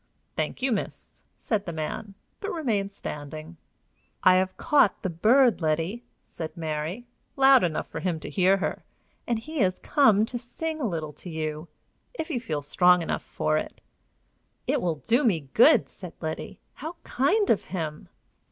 "Thank you, miss," said the man, but remained standing. "I have caught the bird, Letty," said Mary, loud enough for him to hear; "and he is come to sing a little to you if you feel strong enough for it." "It will do me good," said Letty. "How kind of him!"